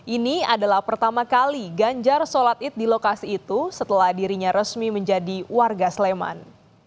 ini adalah pertama kali ganjar sholat id di lokasi itu setelah dirinya resmi menjadi warga sleman